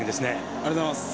ありがとうございます。